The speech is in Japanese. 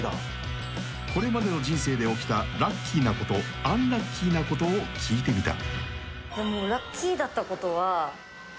［これまでの人生で起きたラッキーなことアンラッキーなことを聞いてみた］